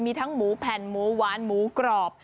มีทั้งหมูแผ่นหมูหวานหมูกรอบ